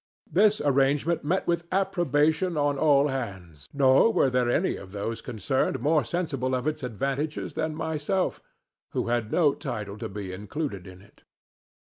This arrangement met with approbation on all hands, nor were any of those concerned more sensible of its advantages than myself, who had no title to be included in it.